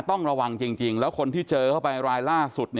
ต้องระวังจริงแล้วคนที่เจอเข้าไปรายล่าสุด